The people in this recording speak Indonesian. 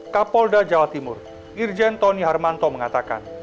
kapolda jawa timur irjen tony harmanto mengatakan